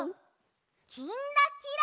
「きんらきら」。